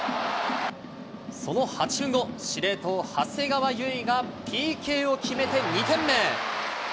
その８分後、司令塔、長谷川唯がＰＫを決めて２点目。